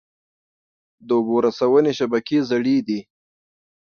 د اوبو رسونې شبکې زړې دي؟